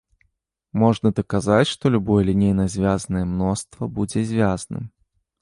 Можна даказаць, што любое лінейна звязнае мноства будзе звязным.